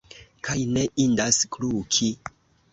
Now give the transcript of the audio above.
Kaj ne indas kluki.